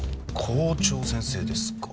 校長先生ですか。